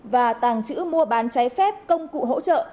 và tàng trữ mua bán trái phép công cụ hỗ trợ